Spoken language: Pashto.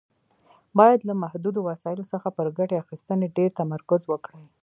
باید له محدودو وسایلو څخه پر ګټې اخیستنې ډېر تمرکز وکړي.